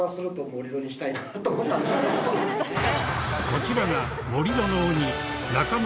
こちらが。